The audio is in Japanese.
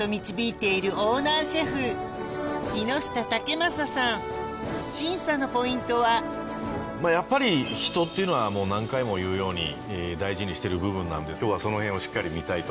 審査するのは審査のポイントはやっぱり人っていうのは何回も言うように大事にしてる部分なんで今日は。